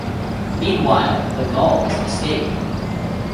Meanwhile, the Gauls escape.